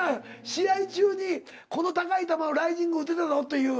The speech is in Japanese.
試合中にこの高い球のライジング打てたぞという。